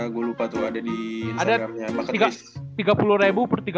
gue lupa tuh ada di instagram nya